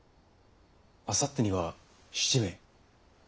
あさってには７名。